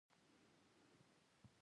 ژبه د انساني ښیګڼې ژبه ده